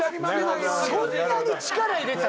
そんなに力入れてた？